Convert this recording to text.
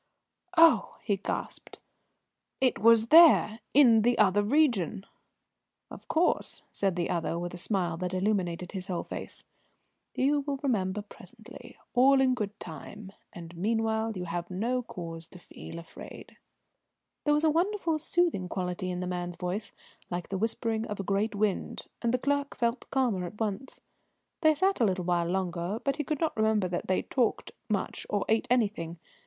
"Oh!" he gasped. "It was there in the other region?" "Of course," said the other, with a smile that illumined his whole face. "You will remember presently, all in good time, and meanwhile you have no cause to feel afraid." There was a wonderful soothing quality in the man's voice, like the whispering of a great wind, and the clerk felt calmer at once. They sat a little while longer, but he could not remember that they talked much or ate anything.